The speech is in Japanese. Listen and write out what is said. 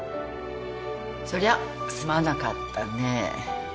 そりゃすまなかったねえ。